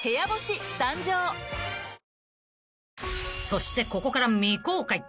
［そしてここから未公開］